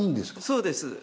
そうです